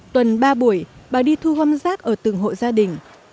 tuần ba buổi bà đi thu gom rác ở từng hộ gia đình